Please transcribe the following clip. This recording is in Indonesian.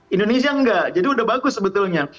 indonesia enggak jadi udah bagus sebetulnya